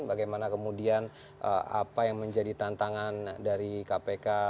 bagaimana kemudian apa yang menjadi tantangan dari kpk